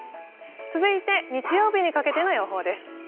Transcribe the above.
続いて、日曜日にかけての予報です